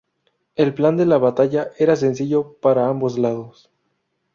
El plan de la batalla era sencillo para ambos lados.